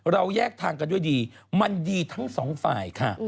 เราแยกทางกันด้วยดีมันดีทั้งสองฝ่ายค่ะ